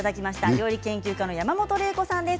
料理研究家の山本麗子さんです。